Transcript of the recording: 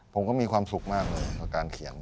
ผมก็มีความสุขมากเลยกับการเขียน